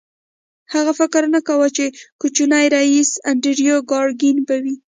هغه فکر نه کاوه چې کوچنی ريیس انډریو کارنګي به وي